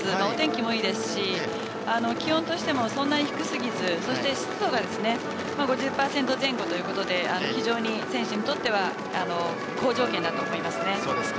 お天気もいいですし気温としてもそんなに低すぎずそして湿度が５０％前後ということで非常に選手にとっては好条件だと思いますね。